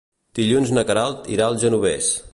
Dilluns na Queralt irà al Genovés.